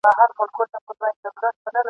پردې ځمکه قيامونه ..